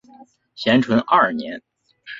咸淳二年。